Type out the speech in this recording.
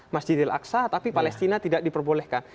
masjid al aqsa tapi palestina tidak diperbolehkan